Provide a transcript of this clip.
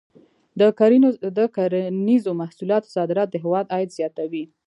د کرنیزو محصولاتو صادرات د هېواد عاید زیاتوي.